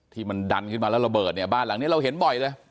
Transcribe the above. ที่มันดันขึ้นมาแล้วระเบิดเนี่ยบ้านหลังนี้เราเห็นบ่อยเลย